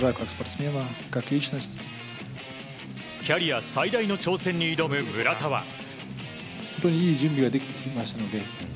キャリア最大の挑戦に挑む村田は。